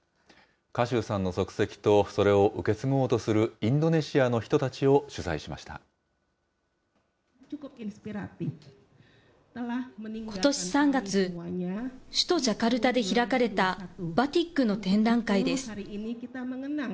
賀集さんの足跡と、それを受け継ごうとするインドネシアの人ことし３月、首都ジャカルタで開かれたバティックの展覧会です。